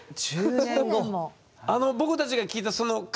僕たちが聞いたその会？